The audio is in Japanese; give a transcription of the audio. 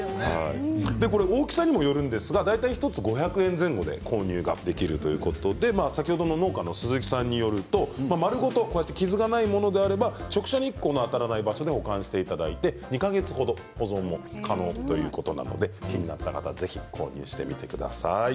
大きさにもよるんですが大体１つ５００円前後で購入できるということで先ほどの農家の鈴木さんによると丸ごと傷がないものであれば直射日光の当たらない場所で保管していただいて２か月程、保存も可能ということなので気になった方はぜひ購入してみてください。